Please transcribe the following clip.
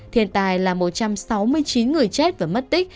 thiên tài là một trăm sáu mươi chín người chết và mất tích